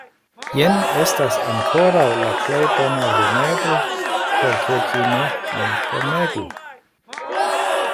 Jen estas ankoraŭ la plej bona rimedo, por ke ĝi ne min premegu.